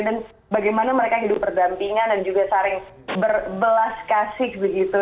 dan bagaimana mereka hidup berdampingan dan juga sering berbelas kasih begitu